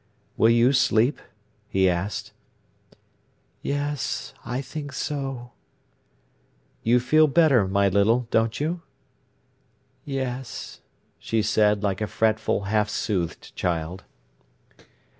"Will you sleep?" he asked. "Yes, I think so." "You feel better, my Little, don't you?" "Yes," she said, like a fretful, half soothed child.